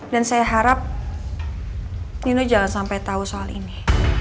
dan saya harap nino jangan sampai tahu soal ini